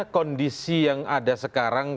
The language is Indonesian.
kondisi yang ada sekarang